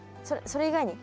そそれ以外に？